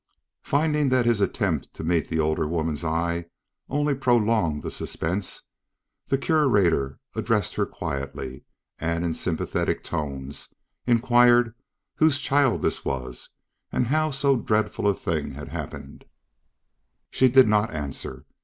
Finding that his attempts to meet the older woman's eye only prolonged the suspense, the Curator addressed her quietly, and in sympathetic tones inquired whose child this was and how so dreadful a thing had happened. She did not answer.